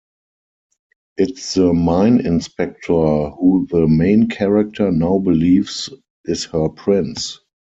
It's the mine inspector who the main character now believes is her prince.